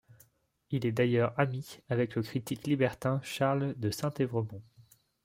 Il est d'ailleurs ami avec le critique libertin Charles de Saint-Évremond.